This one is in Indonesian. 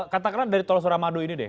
katakanlah dari tol suramadu ini deh